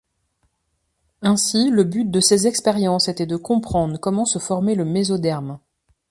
Ainsi, le but de ces expériences était de comprendre comment se formait le mésoderme.